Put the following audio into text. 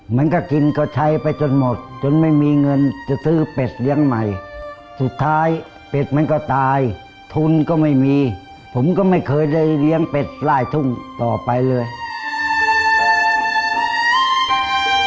มันก็กินก็ใช้ไปจนหมดจนไม่มีเงินจะซื้อเป็ดเลี้ยงใหม่สุดท้ายเป็ดมันก็ตายทุนก็ไม่มีผมก็ไม่เคยได้เลี้ยงเป็ดไล่ทุ่งต่อไปเลย